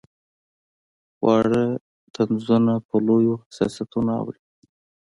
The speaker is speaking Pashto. واړه طنزونه په لویو حساسیتونو اوړي.